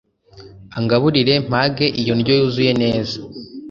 angaburire mpage iyo ndyo yuzuye neza